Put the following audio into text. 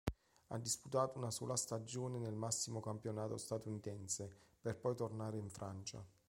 Ha disputato una sola stagione nel massimo campionato statunitense, per poi tornare in Francia.